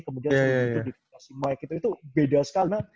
kemudian dikasih mike itu beda sekali